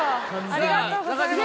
ありがとうございます。